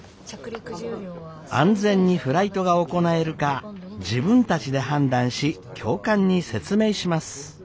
安全にフライトが行えるか自分たちで判断し教官に説明します。